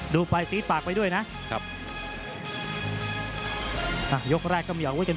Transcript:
ดูไปสีปากไปด้วยเถียวนะ